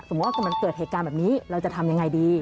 สมมุติว่าเกิดเหตุการณ์แบบนี้เราจะทำอย่างไรดี